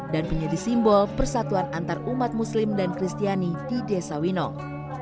dan menjadi simbol persatuan antar umat muslim dan kristiani di desa winong